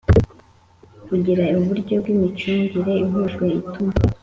Kugira uburyo bw imicungire ihujwe ituma